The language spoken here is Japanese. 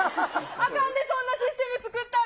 あかんで、そんなシステム作ったら。